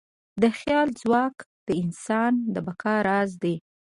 د خیال ځواک د انسان د بقا راز دی.